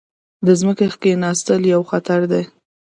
د ځمکې کیناستل یو خطر دی.